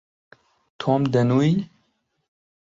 تۆم، دەنووی؟